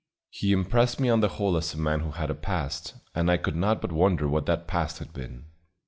He impressed me on the whole as a man who had a past, and I could not but wonder what that past had been.